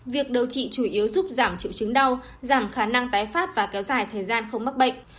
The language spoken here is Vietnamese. việc điều trị chủ yếu giúp giảm triệu chứng đau giảm khả năng tái phát và kéo dài thời gian không mắc bệnh